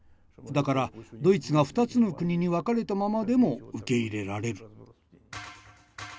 だからドイツが２つの国に分かれたままでも受け入れられる」。